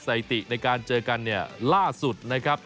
สถิติในการเจอกันเนี่ยล่าสุดนะครับ